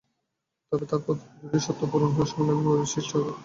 তবে তাঁর প্রদত্ত দুটি শর্ত পূরণ হলে সংলাপের পরিবেশ সৃষ্টি হবে।